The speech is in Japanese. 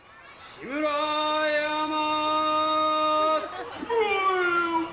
志村山。